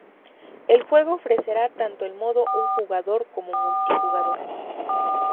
El juego ofrecerá tanto el modo un jugador como multijugador.